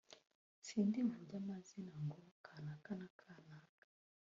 sindi buvuge amazina ngo kanaka na kanaka